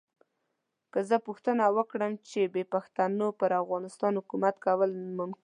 که زه پوښتنه وکړم چې بې پښتنو پر افغانستان حکومت کول ممکن دي.